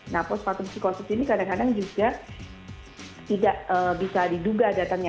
nah postpartum psikosis ini kadang kadang juga tidak bisa diduga datangnya